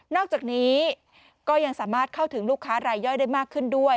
อกจากนี้ก็ยังสามารถเข้าถึงลูกค้ารายย่อยได้มากขึ้นด้วย